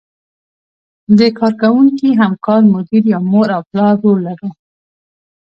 د کار کوونکي، همکار، مدیر یا مور او پلار رول لرو.